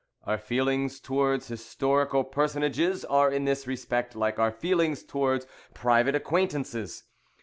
Our feelings towards historical personages are in this respect like our feelings towards private acquaintances.